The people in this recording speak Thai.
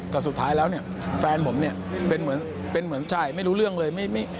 แต่สุดท้ายแล้วเนี่ยแฟนผมเนี่ยเป็นเหมือนเป็นเหมือนชายไม่รู้เรื่องเลย